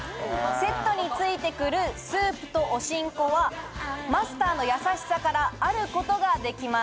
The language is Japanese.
セットに付いてくるスープとお新香はマスターの優しさからあることができます。